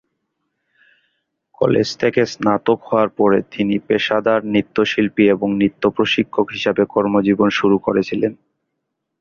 College থেকে স্নাতক হওয়ার পরে তিনি পেশাদার নৃত্যশিল্পী এবং নৃত্য প্রশিক্ষক হিসাবে কর্মজীবন শুরু করেছিলেন।